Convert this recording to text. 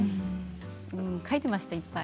書いていました、いっぱい。